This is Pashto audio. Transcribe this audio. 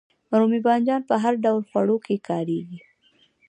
رومی بانجان په هر ډول خوړو کې کاریږي